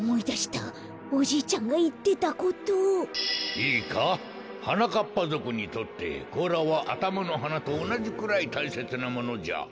いいかはなかっぱぞくにとってこうらはあたまのはなとおなじくらいたいせつなものじゃ。